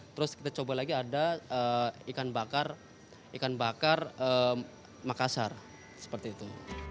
terus kita coba lagi ada ikan bakar ikan bakar makasar seperti itu